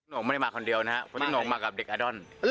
่งไม่ได้มาคนเดียวนะครับเพราะนี่หน่งมากับเด็กอาดอน